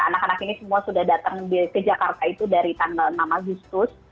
anak anak ini semua sudah datang ke jakarta itu dari tanah nama justus